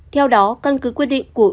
theo đó căn cứ quyết định của